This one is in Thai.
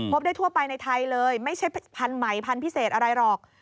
พบได้ทั่วไปในไทยเลยไม่ใช่พันธุ์ใหม่พันธุ์พิเศษอะไรหรอก